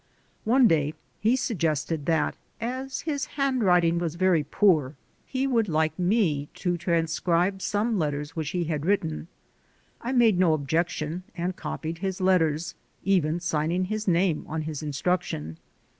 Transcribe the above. One day he suggested that, as his handwriting was very poor, he would like to I AM CAUGHT AGAIN 123 have me transcribe some letters which he had written. I made no objection and copied his letters, even signing his name on his instruction.